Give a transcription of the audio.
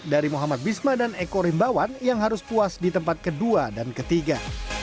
dari muhammad bisma dan eko rimbawan yang harus puas di tempat kedua dan ketiga